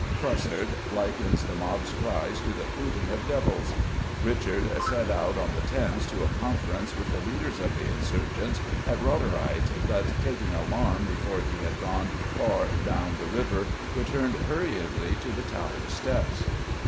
Froissart likens the mob's cries to the "hooting of devils." Richard set out on the Thames to a conference with the leaders of the insurgents at Rotherhithe, but taking alarm before he had gone far down the river returned hurriedly to the Tower steps.